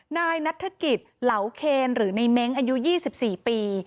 นายนัฐกิจเหลาเคนหรือในเม้งอายุ๒๔ปี